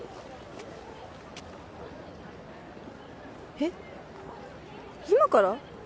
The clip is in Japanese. えっ今から？